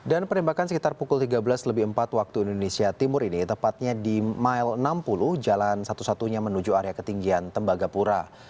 dan penembakan sekitar pukul tiga belas lebih empat waktu indonesia timur ini tepatnya di mile enam puluh jalan satu satunya menuju area ketinggian tembagapura